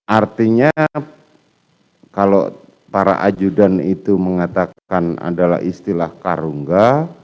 artinya kalau para ajudan itu mengatakan adalah istilah karungga